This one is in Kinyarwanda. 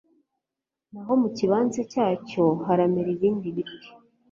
naho mu kibanza cyacyo haramera ibindi biti